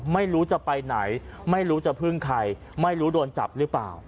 ไม่รู้จะไปไหนไม่รู้จะพึ่งใครไม่รู้โดนจับหรือเปล่า